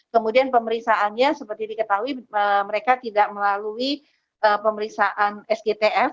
kemudian pemeriksaannya seperti diketahui mereka tidak melalui pemeriksaan sgtf